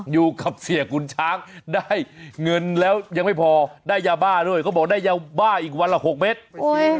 อยู่กับเสียคุณช้างได้เงินแล้วยังไม่พอได้ยาบ้าด้วยเขาบอกได้ยาบ้าอีกวันละ๖เมตร